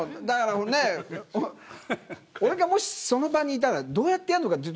だから、俺がもしその場にいたらどうやってやるのか。